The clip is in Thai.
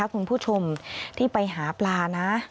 คุณผู้ชมที่ไปหาปลานะ